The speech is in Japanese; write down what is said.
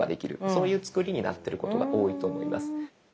そういう作りになってることが多いと思います。